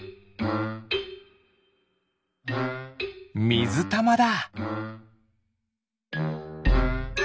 みずたまだ。